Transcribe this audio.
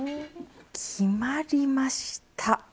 決まりました！